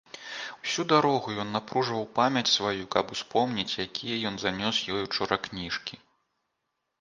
Усю дарогу ён напружваў памяць сваю, каб успомніць, якія ён занёс ёй учора кніжкі.